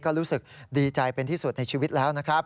ก็รู้สึกดีใจเป็นที่สุดในชีวิตแล้วนะครับ